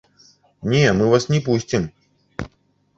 Не, мы вас не пусцім!